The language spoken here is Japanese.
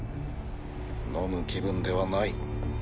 飲む気分ではない。